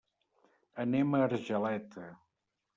Anem a Argeleta.